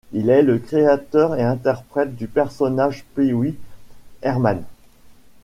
Il est le créateur et interprète du personnage Pee-wee Herman.